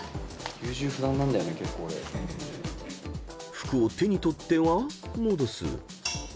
［服を手に取っては戻す］